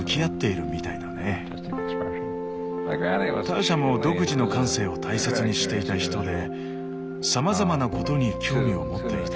ターシャも独自の感性を大切にしていた人でさまざまなことに興味を持っていたよ。